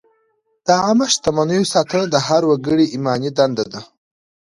د عامه شتمنیو ساتنه د هر وګړي ایماني دنده ده.